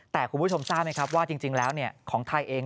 แต่คุณผู้ชมทราบไหมครับว่าจริงแล้วของไทยเอง